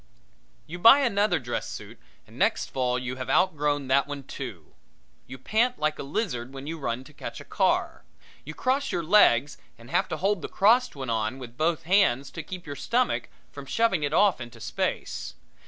You buy another dress suit and next fall you have out grown that one too. You pant like a lizard when you run to catch a car. You cross your legs and have to hold the crossed one on with both hands to keep your stomach from shoving it off in space.